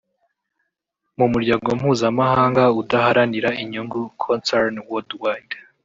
mu muryango mpuzamahanga udaharanira inyungu Concern Worldwide